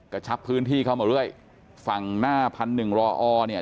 กระชับพื้นที่เข้ามาด้วยฝั่งหน้าพันหนึ่งรอออร์เนี่ย